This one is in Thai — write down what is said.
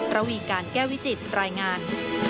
ระวีการแก้วิจิตรายงาน